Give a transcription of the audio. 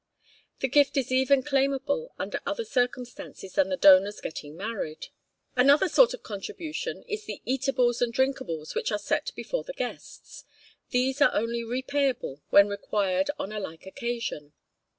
The gift is even claimable under other circumstances than the donor's getting married. Another sort of contribution is the eatables and drinkables which are set before the guests; these are only repayable when required on a like occasion.